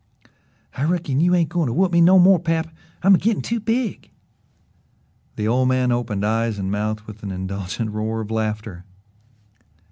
"I reckon you ain't goin' to whoop me no more, pap. I'm a gittin' too big." The old man opened eyes and mouth with an indulgent roar of laughter.